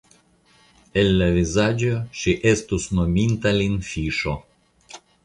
El la vizaĝo ŝi estus nominta lin fiŝo.